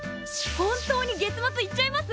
本当に月末行っちゃいます！？